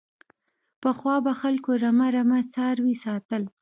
پخوا به خلکو رمه رمه څاروي ساتل.